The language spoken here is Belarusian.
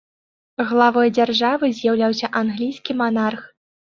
Главой дзяржавы з'яўляўся англійскі манарх.